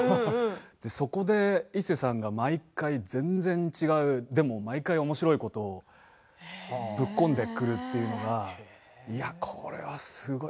そこでイッセーさんが毎回全然、違うでも毎回おもしろいことをぶっ込んでくるというのがこれはすごい。